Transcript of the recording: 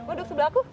waduh sebelah aku